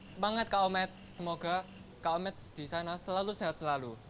semangat komed semoga komed di sana selalu sehat selalu